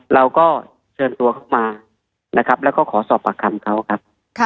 เราก็เชิญตัวเขามานะครับแล้วก็ขอสอบปากคำเขาครับ